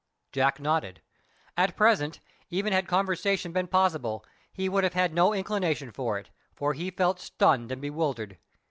Jack nodded. At present, even had conversation been possible, he would have had no inclination for it, for he felt stunned and bewildered.